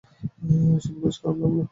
শুনে বেশ খারাপ লাগলো!